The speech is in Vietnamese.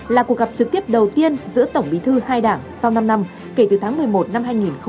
là cuộc gặp trực tiếp đầu tiên giữa tổng bí thư hai đảng sau năm năm kể từ tháng một mươi một năm hai nghìn một mươi ba